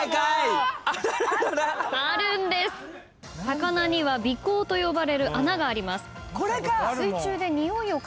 魚には鼻孔と呼ばれる穴があります。